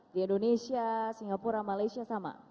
di indonesia singapura malaysia sama